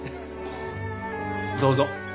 どうぞ。